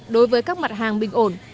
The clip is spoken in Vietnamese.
đối với các mặt hàng bình ổn